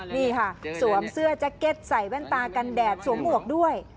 นี่ค่ะสวมเสื้อแจ็คเก็ตใส่แว่นตากันแดดสวมหมวกด้วย